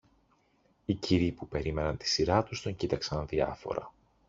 Οι κύριοι που περίμεναν τη σειρά τους τον κοίταξαν αδιάφορα